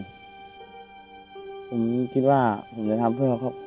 ผมคิดว่าผมจะทำเพื่อเค้าขอบความจนกว่าผมก็ไม่มีใคร